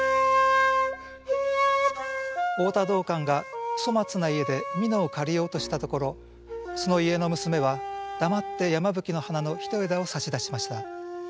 太田道灌が粗末な家で蓑を借りようとしたところその家の娘は黙って山吹の花の一枝を差し出しました。